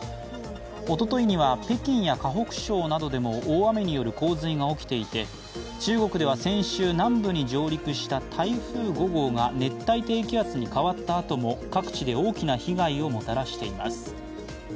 おとといには、北京や河北省などでも大雨による洪水が起きていて、中国では先週、南部に上陸した台風５号が熱帯低気圧に変わったあとも各地で大きな被害をもたらしています。